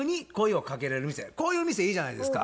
こういう店いいじゃないですか。